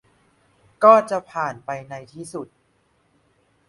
ก็จะผ่านไปในที่สุด